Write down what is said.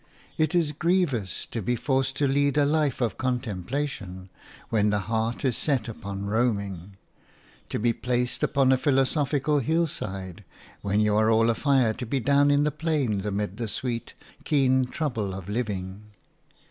It is grievous to be forced to lead a life of contemplation when the heart is set upon roaming – to be placed upon a philosophical hillside when you are all afire to be down in the plain amid the sweet, keen trouble of living.